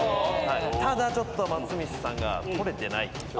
ただちょっと松道さんが取れてない。